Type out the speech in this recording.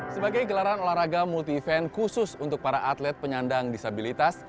sebagai gelaran olahraga multi event khusus untuk para atlet penyandang disabilitas